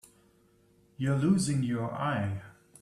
You're losing your eye.